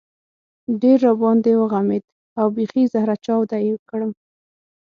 ډېر را باندې وغمېد او بېخي زهره چاودی کړم.